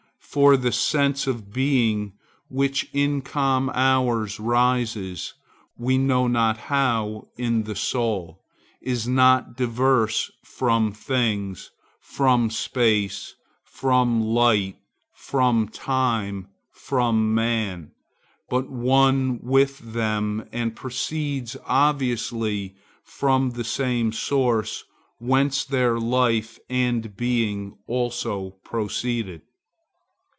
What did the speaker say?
For the sense of being which in calm hours rises, we know not how, in the soul, is not diverse from things, from space, from light, from time, from man, but one with them and proceeds obviously from the same source whence their life and being also proceed.